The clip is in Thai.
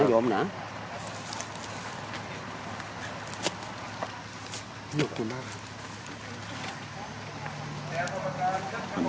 สวัสดีครับทุกคน